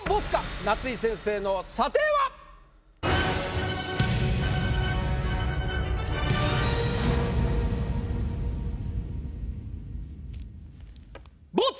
夏井先生の査定は⁉ボツ！